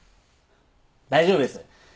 大丈夫です。